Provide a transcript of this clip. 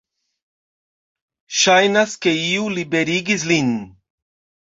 Ŝajnas, ke iu liberigis lin.